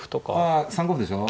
あ３五歩でしょ。